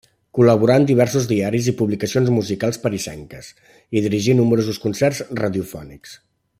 Col·laborà en diversos diaris i publicacions musicals parisenques i dirigí nombrosos concerts radiofònics.